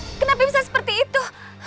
kenapa bisa seperti itu